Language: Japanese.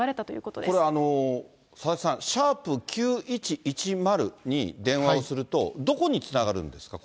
これ、佐々木さん、＃９１１０に電話をすると、どこにつながるんですか？